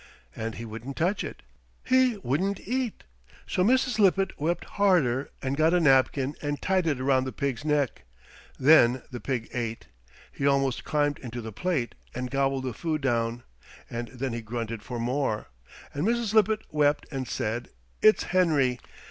And he wouldn't touch it! He wouldn't eat. So Mrs. Lippett wept harder and got a napkin and tied it around the pig's neck. Then the pig ate. He almost climbed into the plate, and gobbled the food down. And then he grunted for more. And Mrs. Lippett wept and said: 'It's Henry!